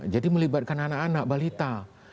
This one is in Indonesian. jadi melibatkan anak anak balita